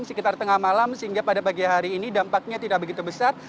sekitar tengah malam sehingga pada pagi hari ini dampaknya tidak begitu besar